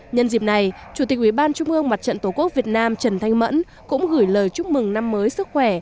nhân dịp này chủ tịch ubnd tổ quốc việt nam trần thanh mẫn cũng gửi lời chúc mừng năm mới sức khỏe